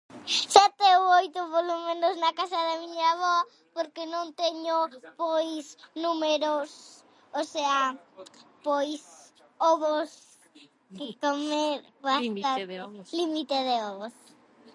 Sete ou oito polo menos na casa da miña avoa porque non teño, pois números, o sea, pois ovos. [unintelligible] Límite de ovos. Límite de ovos.